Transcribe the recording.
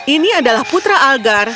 ini adalah putra algar